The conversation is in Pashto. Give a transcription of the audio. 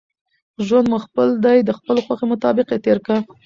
ژوند مو خپل دئ، د خپلي خوښي مطابق ئې تېر که!